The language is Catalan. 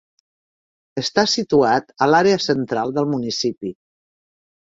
Està situat a l'àrea central del municipi.